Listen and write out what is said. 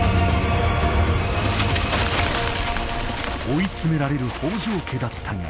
追い詰められる北条家だったが。